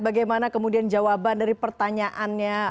bagaimana kemudian jawaban dari pertanyaannya